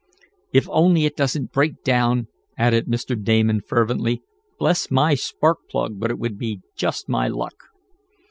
"If only it doesn't break down," added Mr. Damon fervently. "Bless my spark plug, but it would be just my luck!"